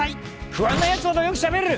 不安なやつほどよくしゃべる！